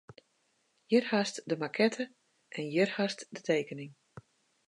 Hjir hast de makette en hjir hast de tekening.